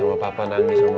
papa galak sih